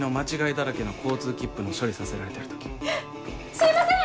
すいません！